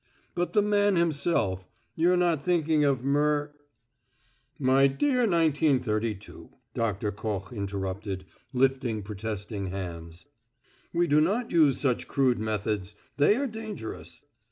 "But the man himself you're not thinking of mur " "My dear Nineteen Thirty two," Doctor Koch interrupted, lifting protesting hands; "we do not use such crude methods; they are dangerous.